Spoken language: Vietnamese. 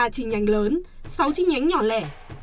ba chi nhánh lớn sáu chi nhánh nhỏ lẻ